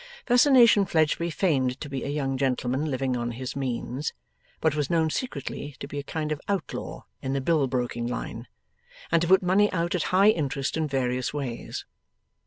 Fascination Fledgeby feigned to be a young gentleman living on his means, but was known secretly to be a kind of outlaw in the bill broking line, and to put money out at high interest in various ways.